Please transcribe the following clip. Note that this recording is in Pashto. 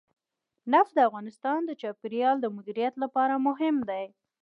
نفت د افغانستان د چاپیریال د مدیریت لپاره مهم دي.